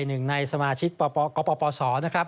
หนึ่งนายสมาชิกกบพพสนะครับ